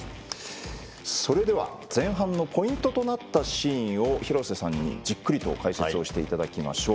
それでは、前半のポイントとなったシーンを廣瀬さんにじっくりと解説をしていただきましょう。